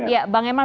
ya bang herman